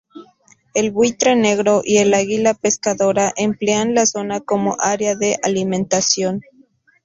El buitre negro y el águila pescadora emplean la zona como área de alimentación.